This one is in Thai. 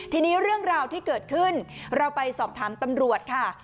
ทีนี้เรื่องราวที่เกิดขึ้นเราไปสอบถามตำรวจค่ะ